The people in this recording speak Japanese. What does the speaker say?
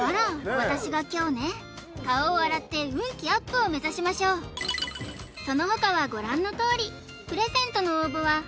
私が凶ね顔を洗って運気アップを目指しましょうその他はご覧のとおりプレゼントの応募は＃